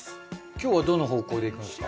今日はどの方向でいくんですか？